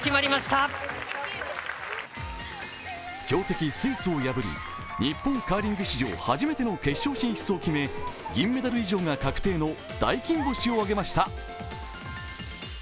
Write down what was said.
強敵スイスを破り日本カーリング史上初めての決勝進出を決め、銀メダル以上が確定の大金星を挙げました。